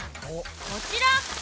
こちら！